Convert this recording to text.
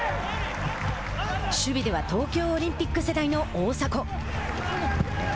守備では東京オリンピック世代の大迫。